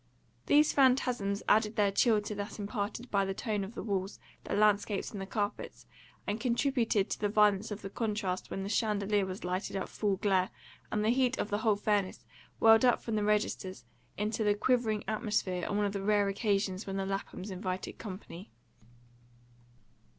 These phantasms added their chill to that imparted by the tone of the walls, the landscapes, and the carpets, and contributed to the violence of the contrast when the chandelier was lighted up full glare, and the heat of the whole furnace welled up from the registers into the quivering atmosphere on one of the rare occasions when the Laphams invited company.